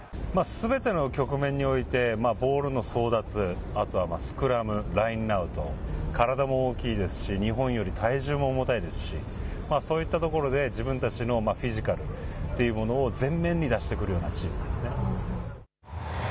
すべての局面において、ボールの争奪、あとはスクラム、ラインアウト、体も大きいですし、日本より体重も重たいですし、そういったところで自分たちのフィジカルっていうものを前面に出してくるようなチームですね。